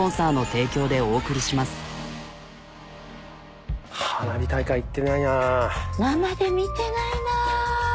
生で見てないな。